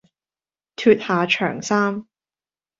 脫下長衫，